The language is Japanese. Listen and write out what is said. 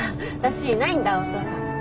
私いないんだお父さん。